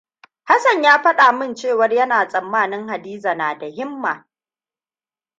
Hassan ya faɗa min cewar yana tsammanin Hadiza na da himma.